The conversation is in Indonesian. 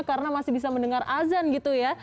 karena masih bisa mendengar azan gitu ya